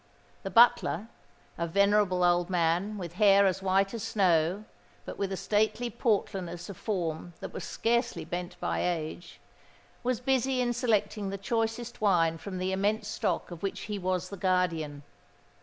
The butler,—a venerable old man with hair as white as snow, but with a stately portliness of form that was scarcely bent by age,—was busy in selecting the choicest wine from the immense stock of which he was the guardian.